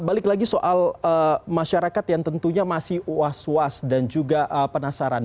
balik lagi soal masyarakat yang tentunya masih was was dan juga penasaran